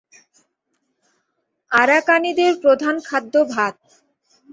আরাকানিদের প্রধান খাদ্য ভাত।